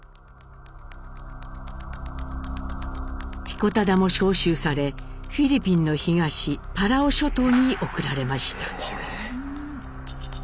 彦忠も召集されフィリピンの東パラオ諸島に送られました。